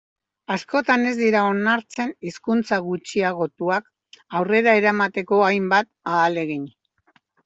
Askotan ez dira onartzen hizkuntza gutxiagotuak aurrera eramateko hainbat ahalegin.